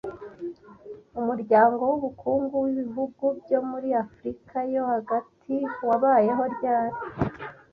Umuryango w’ubukungu w’ibihugu byo muri Afurika yo Hagati wabayeho ryari